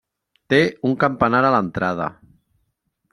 Té un campanar a l'entrada.